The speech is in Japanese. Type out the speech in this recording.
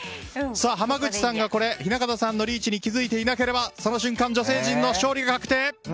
濱口さんが雛形さんのリーチに気づいていなければその瞬間、女性陣の勝利が確定！